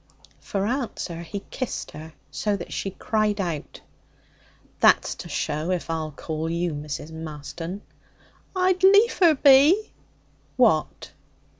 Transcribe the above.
For answer, he kissed her so that she cried out. 'That's to show if I'll call you Mrs. Marston.' 'I'd liefer be.' 'What?'